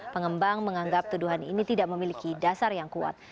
pengembang menganggap tuduhan ini tidak memiliki dasar yang kuat